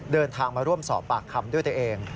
เดินทางมาร่วมสอบปากคำด้วยตัวเอง